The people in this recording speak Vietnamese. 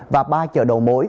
và ba chợ đầu mối